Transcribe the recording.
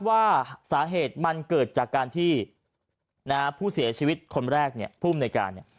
ว่าสาเหตุมันเกิดจากการที่ผู้เสียชีวิตคนแรกพุ่มในการ